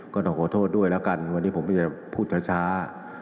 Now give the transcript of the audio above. ก็ต้องขอโทษด้วยแล้วกันวันนี้ผมจะพูดช้า